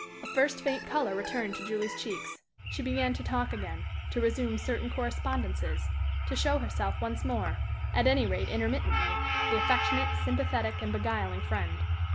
A first faint color returned to Julie's cheeks. She began to talk again; to resume certain correspondences; to show herself once more at any rate intermittently the affectionate, sympathetic, and beguiling friend.